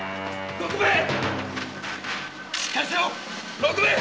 六兵衛！